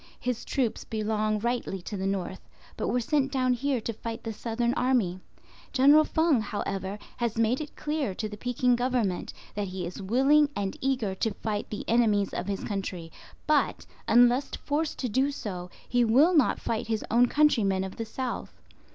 His troops belong rightly to the north, but were sent down here to fight the Southern Army. General Feng, however, has made it clear to the Peking Government that he is willing and eager to fight the enemies of his country; but, unless forced to do so, he will not fight his own countrymen of the south.